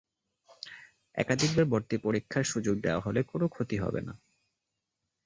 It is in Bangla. একাধিকবার ভর্তি পরীক্ষার সুযোগ দেওয়া হলে কোনো ক্ষতি হবে না।